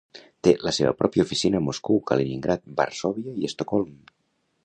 Té la seva pròpia oficina a Moscou, Kaliningrad, Varsòvia i Estocolm.